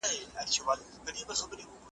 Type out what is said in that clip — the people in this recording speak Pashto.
اوښکه د باڼو پر سر تکیه یمه تویېږمه `